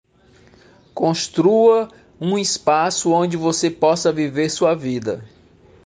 Construa um espaço onde você possa viver sua vida